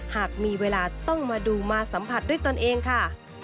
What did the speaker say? หากมีเวลาต้องมาดูมาสัมผัสด้วยตนเองค่ะ